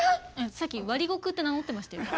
さっき「割獄」って名乗ってましたよ。